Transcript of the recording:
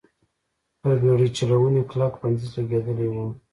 پر بېړۍ چلونې کلک بندیز لګېدلی و.